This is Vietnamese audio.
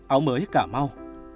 áo mới cả mau